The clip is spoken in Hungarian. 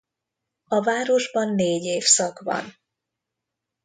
A városban négy évszak van.